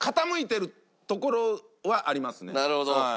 なるほど。